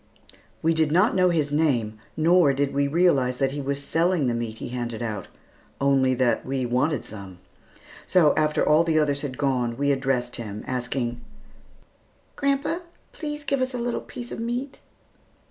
We did not know his name, nor did we realize that he was selling the meat he handed out, only that we wanted some. So, after all the others had gone, we addressed him, asking, "Grandpa, please give us a little piece of meat."